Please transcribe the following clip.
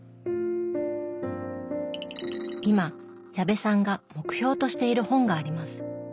今矢部さんが目標としている本があります。